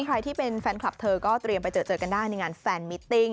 ใครที่เป็นแฟนคลับเธอก็เตรียมไปเจอกันได้ในงานแฟนมิตติ้ง